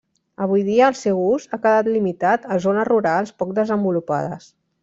Avui dia el seu ús ha quedat limitat a zones rurals poc desenvolupades.